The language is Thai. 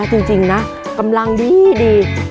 จริงจริงนะกำลังดีดี